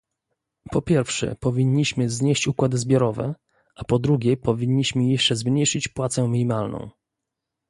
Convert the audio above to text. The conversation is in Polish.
po pierwsze, powinniśmy znieść układy zbiorowe, a po drugie, powinniśmy jeszcze zmniejszyć płacę minimalną